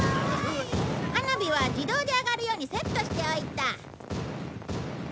花火は自動で上がるようにセットしておいた。